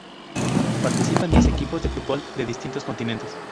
Participan diez equipos de fútbol de distintos continentes.